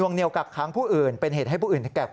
นวงเนี่ยวกากค้างผู้อื่นเป็นเหตุให้ผู้อื่นแกะความตาย